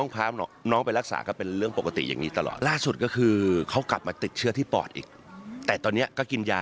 ฟังเสียงพี่เจี๊ยบกันหน่อยค่ะ